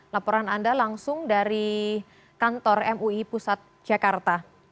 laporan anda langsung dari kantor mui pusat jakarta